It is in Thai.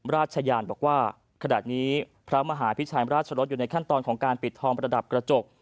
ราชยานบอกว่าขณะนี้พระมหาพิชัยราชรสอยู่ในขั้นตอนของการปิดทองประดับกระจก